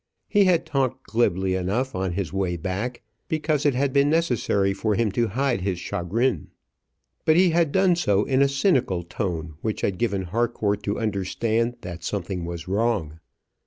He had talked glibly enough on his way back, because it had been necessary for him to hide his chagrin; but he had done so in a cynical tone, which had given Harcourt to understand that something was wrong.